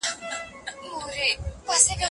رشاد